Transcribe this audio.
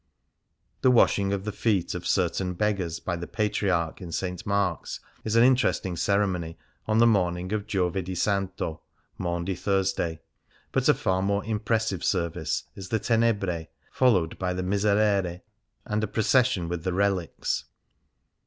The washing of the feet of certain beggars by the Patriarch in St. Mark's is an interesting ceremony on the morning of Giovedi Santo (Maundy Thursday) ; but a far more impres sive service is the Tejiebrae, followed by the Miserere and a procession with the relics.